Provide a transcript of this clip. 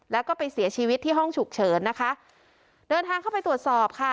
แล้วก็ไปเสียชีวิตที่ห้องฉุกเฉินนะคะเดินทางเข้าไปตรวจสอบค่ะ